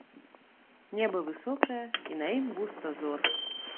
Неба высокае, і на ім густа зор.